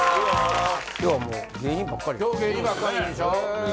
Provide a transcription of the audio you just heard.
今日はもう芸人ばっかりですね